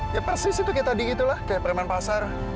ya persis itu kayak tadi gitu lah kayak preman pasar